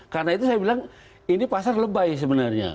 karena itu saya bilang ini pasar lebay sebenarnya